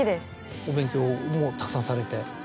お勉強もたくさんされて？